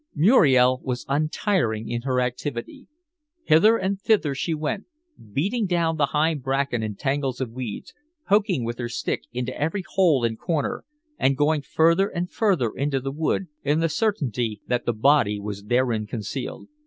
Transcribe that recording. Muriel was untiring in her activity. Hither and thither she went, beating down the high bracken and tangles of weeds, poking with her stick into every hole and corner, and going further and further into the wood in the certainty that the body was therein concealed.